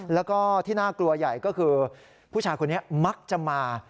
แล้วก็ที่น่ากลัวใหญ่ก็คือผู้ชายคนนี้มักจะมา